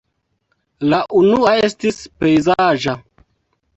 La unua estis pejzaĝa.